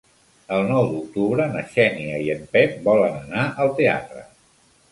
El nou d'octubre na Xènia i en Pep volen anar al teatre.